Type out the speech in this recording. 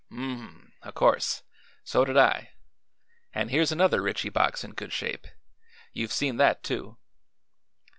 "M m. O' course. So did I. And here's another Ritchie box in good shape. You've seen that, too."